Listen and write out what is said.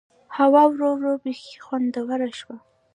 هوا ورو ورو بيخي خوندوره شوه.